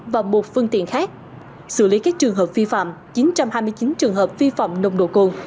và một phương tiện khác sử lý các trường hợp vi phạm chín trăm hai mươi chín trường hợp vi phạm nông độ côn